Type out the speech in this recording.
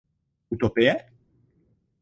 Utopie?